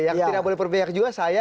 yang tidak boleh berpihak juga saya